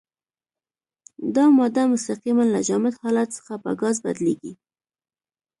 دا ماده مستقیماً له جامد حالت څخه په ګاز بدلیږي.